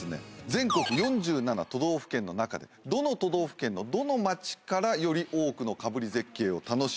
全国４７都道府県の中でどの都道府県のどの町からより多くのかぶり絶景を楽しめるのか。